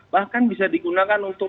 bahkan bisa digunakan untuk